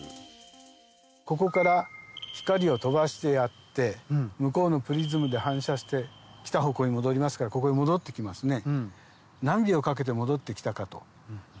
ここから光を飛ばしてやって向こうのプリズムで反射して来た方向に戻りますからここへ戻ってきますね。